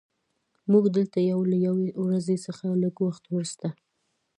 موږ دلته یو له یوې ورځې څخه لږ وخت وروسته